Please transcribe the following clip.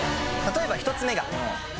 例えば１つ目がＨｅｙ！